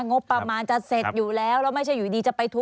งบประมาณจะเสร็จอยู่แล้วแล้วไม่ใช่อยู่ดีจะไปทัว